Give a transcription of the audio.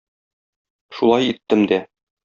Шулай иттем дә.